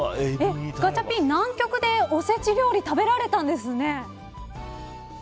ガチャピン、南極でおせち料理食べられたんですね。